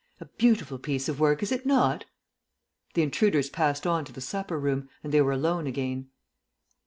A beautiful piece of work, is it not?" The intruders passed on to the supper room, and they were alone again.